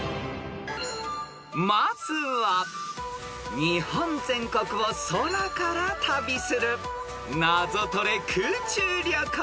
［まずは日本全国を空から旅するナゾトレ空中旅行］